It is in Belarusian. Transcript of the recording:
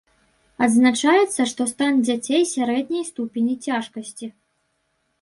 Адзначаецца, што стан дзяцей сярэдняй ступені цяжкасці.